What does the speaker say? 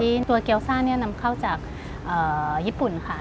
ตัวเกี๊ซ่าเนี่ยนำเข้าจากญี่ปุ่นค่ะ